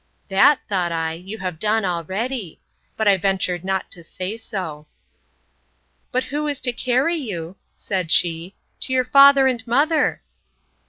That, thought I, you have done already; but I ventured not to say so. But who is to carry you, said she, to your father and mother?